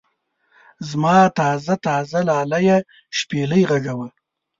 زما تازه تازه لاليه شپېلۍ غږونه.